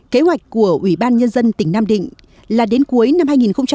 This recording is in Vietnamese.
kế hoạch của ubnd tỉnh nam định là đến cuối năm hai nghìn một mươi bảy